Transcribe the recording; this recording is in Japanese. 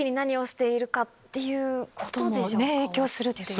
影響するっていう。